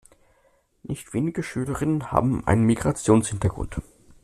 Nicht wenige Schülerinnen haben einen Migrationshintergrund.